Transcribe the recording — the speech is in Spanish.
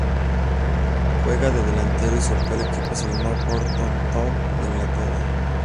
Juega de delantero y su actual equipo es el Northampton Town de Inglaterra.